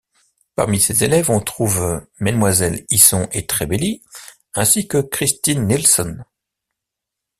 Parmi ses élèves, on trouve Melles Hisson et Trebelli, ainsi que Christine Nilsson.